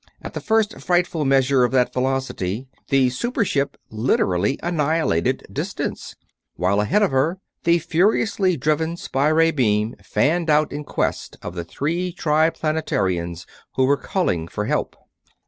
At the full frightful measure of that velocity the super ship literally annihilated distance, while ahead of her the furiously driven spy ray beam fanned out in quest of the three Triplanetarians who were calling for help.